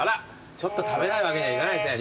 ちょっと食べないわけにはいかないですね。